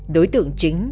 đối tượng chính